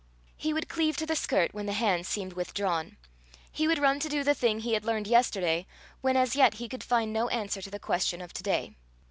He would cleave to the skirt when the hand seemed withdrawn; he would run to do the thing he had learned yesterday, when as yet he could find no answer to the question of to day.